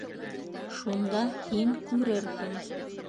Шунда һин күрерһең.